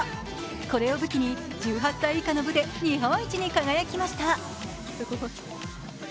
これを武器に１８歳以下の部で日本一に輝きました。